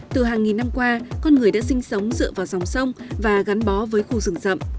từ hàng nghìn năm qua con người đã sinh sống dựa vào dòng sông và gắn bó với khu rừng rậm